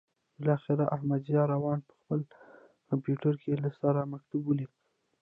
بالاخره احمدضیاء روان په خپل کمپیوټر کې له سره مکتوب ولیکه.